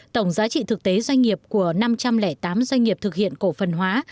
tổng giá trị thực tế doanh nghiệp của năm trăm linh tám doanh nghiệp thực hiện cổ phần hóa